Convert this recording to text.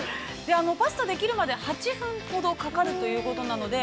パスタができるまで、８分ほどかかるということなので。